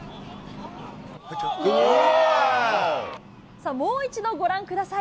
さあ、もう一度ご覧ください。